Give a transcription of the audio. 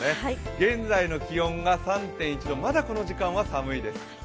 現在の気温が３．１度、まだこの時間は寒いです。